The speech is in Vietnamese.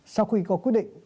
sau khi có quyết định